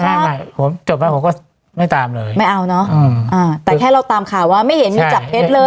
ใช่ไม่ผมจบแล้วผมก็ไม่ตามเลยไม่เอาเนอะแต่แค่เราตามข่าวว่าไม่เห็นมีจับเท็จเลย